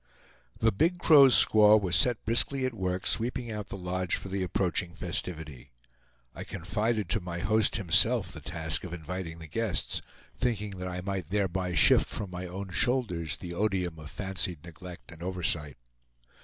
The Big Crow's squaw was set briskly at work sweeping out the lodge for the approaching festivity. I confided to my host himself the task of inviting the guests, thinking that I might thereby shift from my own shoulders the odium of fancied neglect and oversight.